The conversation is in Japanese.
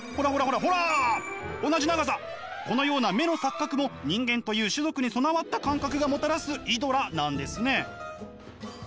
このような目の錯覚も人間という種族に備わった感覚がもたらすイドラなんですね。